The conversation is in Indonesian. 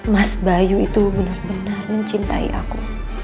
mas bayu itu benar benar mencintai aku